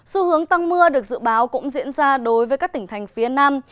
xu hướng tăng mưa được dự báo cũng diễn ra đối với các tỉnh thành phía nam